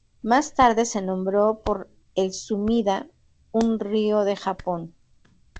Más tarde se nombró por el Sumida, un río de Japón.